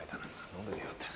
飲んどきゃよかった。